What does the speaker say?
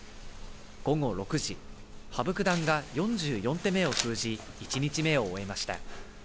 午後６時、羽生九段が４４手目を封じ１日目を終えました。